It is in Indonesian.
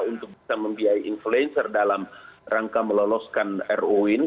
untuk bisa membiayai influencer dalam rangka meloloskan ruu ini